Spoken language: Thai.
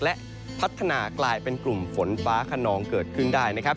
และพัฒนากลายเป็นกลุ่มฝนฟ้าขนองเกิดขึ้นได้นะครับ